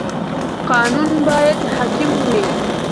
قانون باید حاکم وي.